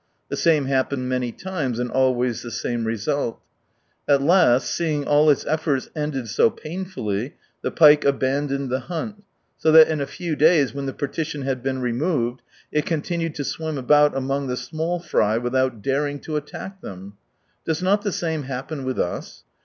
The same happened many times, and always the same result. At last, seeing all its efforts ended so pain fully, the pike abandoned the hunt, so that in a few days, when the partition had, been removed it continued to swim about among the small fry without daring to attack them. ... Does not the same happen with us